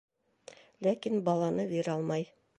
Ләкин баланы бирә алмай.